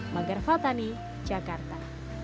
magar fatani jakarta